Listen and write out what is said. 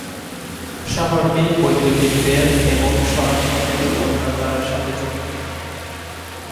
শহরটি বৈদ্যুতিক রেল এবং সড়কপথে কলকাতার সাথে যুক্ত।